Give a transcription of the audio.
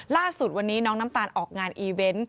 ล่าสุดวันนี้น้องน้ำตาลออกงานอีเวนต์